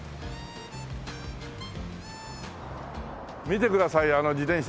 見てくださいよあの自転車。